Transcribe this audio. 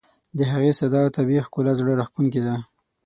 د هغې ساده او طبیعي ښکلا زړه راښکونکې ده.